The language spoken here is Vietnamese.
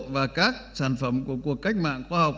và các sản phẩm của cuộc cách mạng khoa học